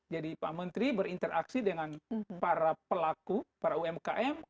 jadi pak menteri berinteraksi dengan para pelaku para umkm